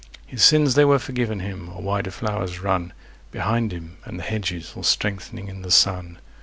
His sins they were forgiven him; or why do flowers run Behind him; and the hedges all strengthening in the sun?